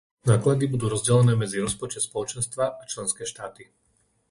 Náklady budú rozdelené medzi rozpočet Spoločenstva a členské štáty.